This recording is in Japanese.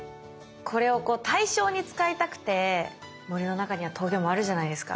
これを対称に使いたくて森の中にはトゲもあるじゃないですか。